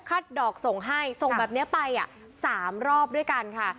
คัดดอกส่งให้ส่งแบบเนี้ยไปอ่ะสามรอบด้วยกันค่ะ